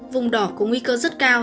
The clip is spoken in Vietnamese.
vùng đỏ có nguy cơ rất cao